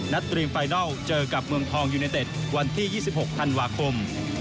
ตรีมไฟนัลเจอกับเมืองทองยูเนเต็ดวันที่๒๖ธันวาคม